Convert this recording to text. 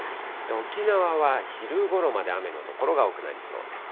沖縄は昼ごろまで雨の所が多くなりそうです。